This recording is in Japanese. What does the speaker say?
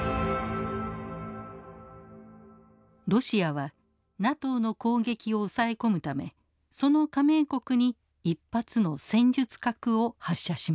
ロシアはＮＡＴＯの攻撃を抑え込むためその加盟国に１発の戦術核を発射します。